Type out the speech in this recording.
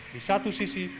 di satu sisi